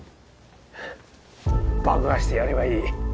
爆破してやればいい。